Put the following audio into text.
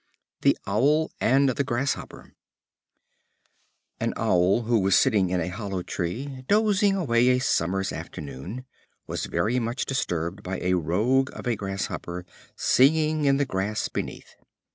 The Owl and the Grasshopper. An Owl who was sitting in a hollow tree, dozing away a summer's afternoon, was very much disturbed by a rogue of a Grasshopper singing in the grass beneath.